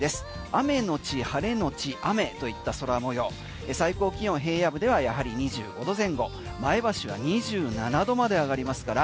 雨のち晴れのち雨といった空模様最高気温、平野部ではやはり２５度前後前橋は２７度まで上がりますから。